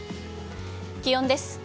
気温です。